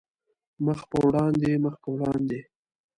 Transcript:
مخ په وړاندې، مخ په وړاندې